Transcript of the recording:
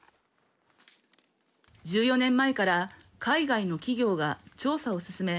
１４年前から海外の企業が調査を進め